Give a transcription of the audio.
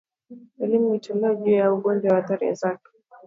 Elimu itolewe juu ya ugonjwa na athari zake